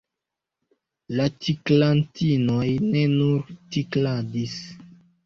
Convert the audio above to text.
La tiklantinoj ne nur tikladis.